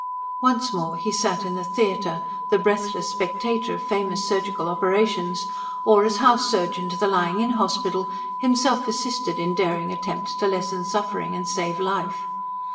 Once more he sat in the theatre, the breathless spectator of famous surgical operations; or as house surgeon to the Lying in Hospital himself assisted in daring attempts to lessen suffering and save life.